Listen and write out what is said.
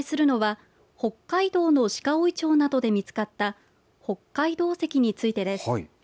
きょうお伝えするのは北海道の鹿追町などで見つかった北海道石についてです。